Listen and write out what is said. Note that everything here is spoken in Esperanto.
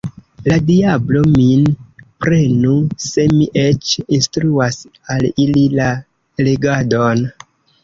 La diablo min prenu se mi eĉ instruas al ili la legadon!